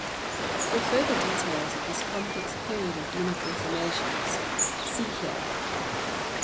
For further details of this complex period of unit reformations, see here.